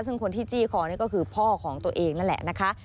ซึ่งคนที่จี้คอนี่ก็คือพ่อของตัวเองนั่นแหละนะคะ